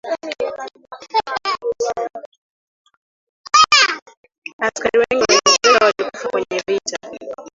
askari wengi wa uingereza walikufa kwenye vita